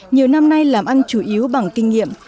nhiều năm nay làm ăn chủ yếu bằng kinh nghiệm